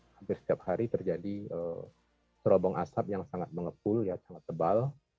hampir setiap hari terjadi serobong asap yang sangat mengepul sangat tebal